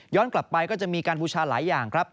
กลับไปก็จะมีการบูชาหลายอย่างครับ